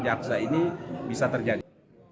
jaksa ini bisa terjadi